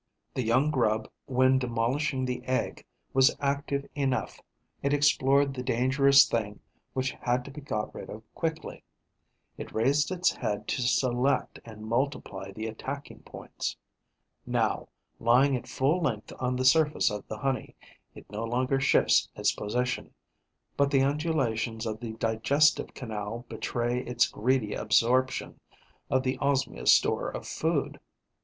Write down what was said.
The young grub, when demolishing the egg, was active enough: it explored the dangerous thing which had to be got rid of quickly, it raised its head to select and multiply the attacking points. Now, lying at full length on the surface of the honey, it no longer shifts its position; but the undulations of the digestive canal betray its greedy absorption of the Osmia's store of food.